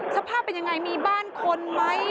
สภาพเป็นยังไงมีบ้านคนไหม